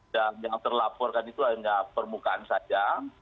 dan yang terlaporkan itu hanya permukaan saja